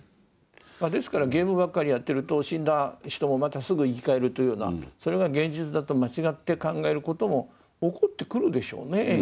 ですからゲームばっかりやってると死んだ人もまたすぐ生き返るというようなそれが現実だと間違って考えることも起こってくるでしょうね。